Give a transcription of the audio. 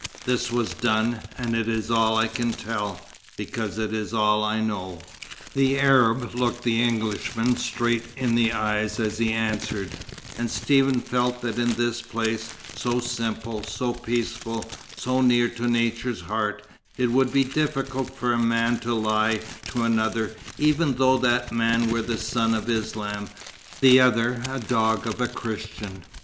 This was done; and it is all I can tell, because it is all I know." The Arab looked the Englishman straight in the eyes as he answered; and Stephen felt that in this place, so simple, so peaceful, so near to nature's heart, it would be difficult for a man to lie to another, even though that man were a son of Islam, the other a "dog of a Christian."